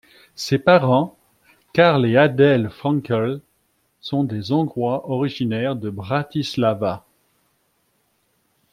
Ses parents, Karl et Adele Frankl, sont des Hongrois, originaires de Bratislava.